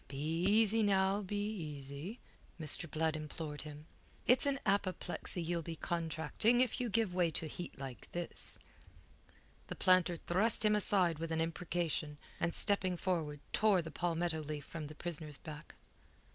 "Be easy, now, be easy!" Mr. Blood implored him. "It's an apoplexy ye'll be contacting if ye give way to heat like this." The planter thrust him aside with an imprecation, and stepping forward tore the palmetto leaf from the prisoner's back.